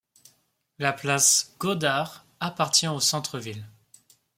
La place Godart appartient au Centre Ville.